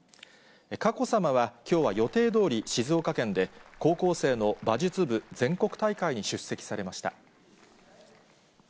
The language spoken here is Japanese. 佳子さまはきょうは予定どおり、静岡県で、高校生の馬術部全国大会に出席されました。